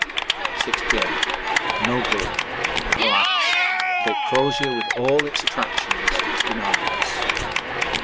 6 P.M. No good!! Alas! Cape Crozier with all its attractions is denied us.